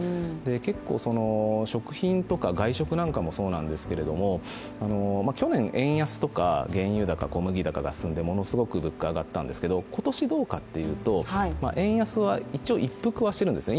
結構、食品とか外食なんかもそうなんですけど去年、円安とか原油高、小麦高があってものすごく物価が上がったんですけど、今年どうかというと円安はいちおう、いっぷくはしてるんですね